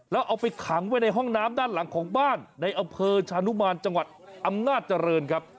แล้วเอาไปขังไว้ในห้องน้ำด้านหลังของบ้านในอำเภอชานุมานจังหวัดอำนาจเจริญครับ